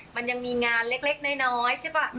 มันยังมีงานเล็กน้อยใช่ป่ะ